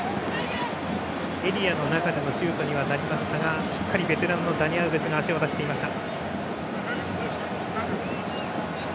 エリアの中でのシュートにはなりましたがしっかりベテランのダニ・アウベスが足を出していました。